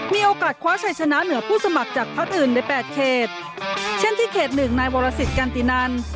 มีโอกาสคว้าชัยชนะเหนือผู้สมัครจากพักอื่นในแปดเขตเช่นที่เขตหนึ่งนายวรสิตกันตินัน